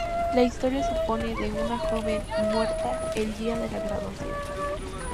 La historia supone de una joven muerta el día de la graduación.